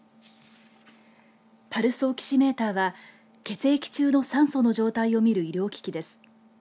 パルスオキシメーターは血液中の酸素の状態を見る医療機器です。